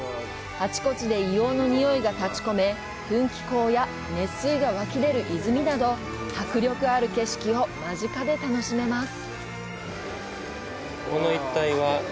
あちこちで硫黄のにおいが立ち込め噴気孔や熱水が湧き出る泉など迫力ある景色を間近で楽しめます。